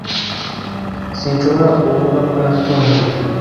Sinshobora kuvuga ko natunguwe.